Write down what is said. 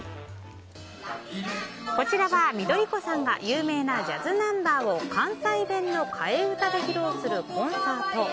こちらは緑子さんが有名なジャズナンバーを関西弁の替え歌で披露するコンサート。